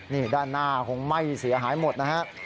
นี่ด้านหน้าคงไหม้เสียหายหมดนะฮะ